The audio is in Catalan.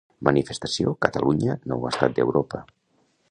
Manifestació «Catalunya, nou estat d'Europa»